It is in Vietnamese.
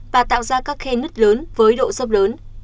và tạo ra các khe nứt lớn với độ dốc lớn